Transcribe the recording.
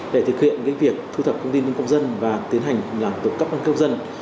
để thực hiện việc thu thập thông tin đến công dân và tiến hành làm tổng cấp cân cơ công dân